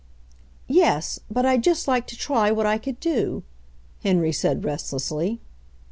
"Yes ; but I'd just like to try what I could do," Henry said restlessly.